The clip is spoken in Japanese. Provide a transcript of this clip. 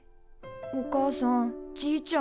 お母さんじいちゃんは？